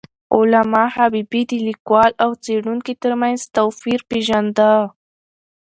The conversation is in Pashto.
علامه حبيبي د لیکوال او څیړونکي تر منځ توپیر پېژنده.